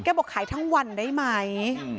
บอกขายทั้งวันได้ไหม